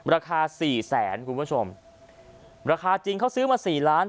ราคาสี่แสนคุณผู้ชมราคาจริงเขาซื้อมาสี่ล้าน